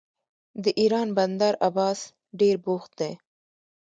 د ایران بندر عباس ډیر بوخت دی.